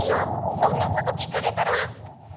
そんなこと聞かれたら。